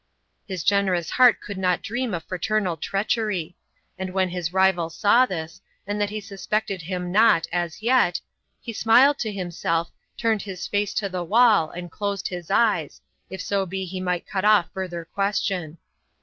His generous heart could not dream of fraternal treachery. And when his rival saw this, and that he suspected him not as yet, he smiled to himself, turned his face to the wall, and closed his eyes, if so be he might cut off further question.